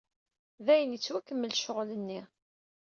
Dayen ittwakemmel ccƔel-nni.